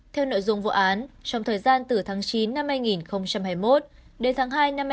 theo nội dung vụ án trong thời gian từ tháng chín năm hai nghìn hai mươi một đến tháng hai năm hai nghìn hai mươi ba